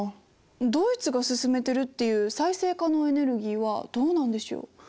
ドイツが進めてるっていう再生可能エネルギーはどうなんでしょう？